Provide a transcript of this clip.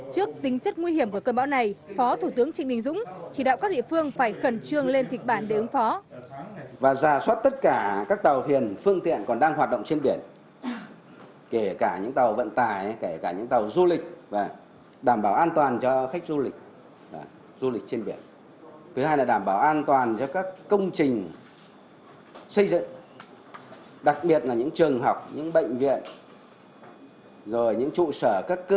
trước tính chất nguy hiểm của cân bão này phó thủ tướng trịnh đình dũng chỉ đạo các địa phương phải khẩn trương lên thịt bản để ứng phó